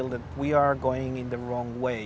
kita berjalan dengan cara yang salah